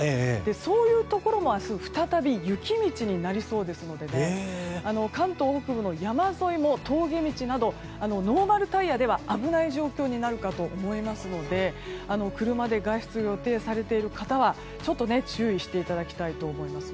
そういうところも明日、再び雪道になりそうですので関東北部の山沿い、峠道などノーマルタイヤでは危ない状況になるかと思いますので車で外出を予定されている方はちょっと注意していただきたいと思います。